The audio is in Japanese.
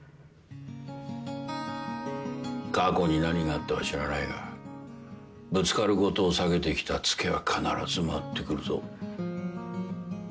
過去に何があったか知らないがぶつかることを避けてきたツケは必ず回ってくるぞ。